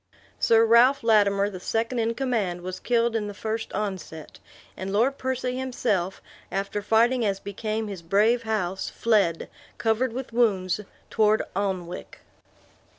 Sir Ralph Lattimer, the second in command, was killed in the first onset; and Lord Percy himself, after fighting as became his brave house, fled, covered with wounds, toward Alnwick.